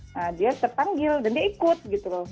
nah dia terpanggil dan dia ikut gitu loh